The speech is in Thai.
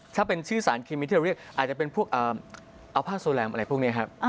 ถ้าเป็นชื่อสารเคมีที่เราเรียกอาจจะเป็นพวกอัลผ้าโซแรมอะไรพวกนี้ครับ